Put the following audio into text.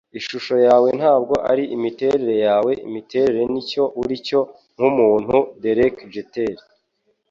Ishusho yawe ntabwo ari imiterere yawe. Imiterere nicyo uri cyo nk'umuntu. ”- Derek Jeter